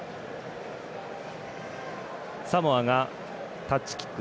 サモアがタッチキック。